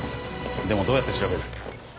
でもどうやって調べる？